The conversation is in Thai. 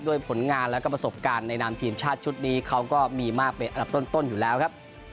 ผลงานแล้วก็ประสบการณ์ในนามทีมชาติชุดนี้เขาก็มีมากเป็นอันดับต้นอยู่แล้วครับ